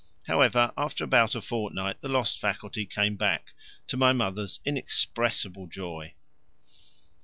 However, after about a fortnight, the lost faculty came back, to my mother's inexpressible joy.